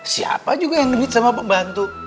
siapa juga yang demit sama pembantu